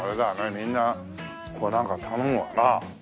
みんなここはなんか頼むわな。